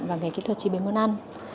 và nghề kỹ thuật chế biến món ăn